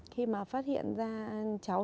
khi mà phát hiện ra cháu